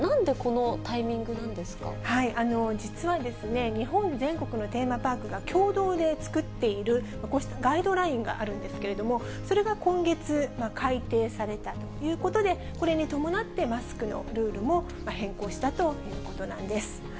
でも、実は、日本全国のテーマパークが共同で作っているこうしたガイドラインがあるんですけれども、それが今月改訂されたということで、これに伴ってマスクのルールも変更したということなんです。